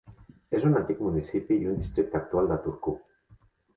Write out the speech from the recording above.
És un antic municipi i un districte actual de Turku.